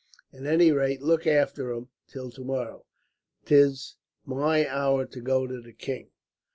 At any rate, look after him, till tomorrow. 'Tis my hour to go to the king."